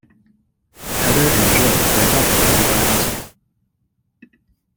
Heather and Joe wake up in a nearby hospital.